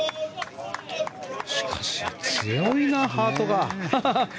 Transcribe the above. しかし、強いな、ハートが。